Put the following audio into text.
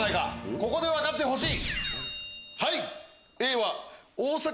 ここで分かってほしい！